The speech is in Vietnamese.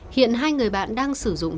hiện hai người bạn đang sử dụng